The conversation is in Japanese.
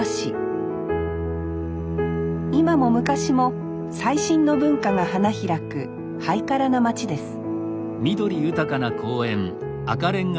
今も昔も最新の文化が花開くハイカラな街です